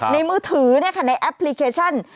ในมือถือเนี่ยค่ะในแอพพลิเคชัน